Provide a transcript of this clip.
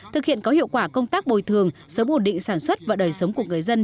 thực hiện có hiệu quả công tác bồi thường sớm ổn định sản xuất và đời sống của người dân